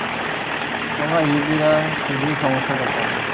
তোমরা ইহুদীরা শুধুই সমস্যা ডেকে আনো।